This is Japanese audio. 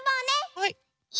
はい。